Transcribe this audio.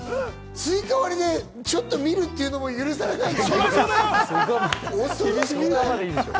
スイカ割りでちょっと見るというのも許されないのか？